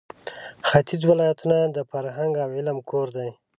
ختیځ ولایتونه د فرهنګ او علم کور دی.